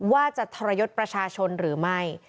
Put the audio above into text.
ว่าจะทรยศประชาชนหรือไม่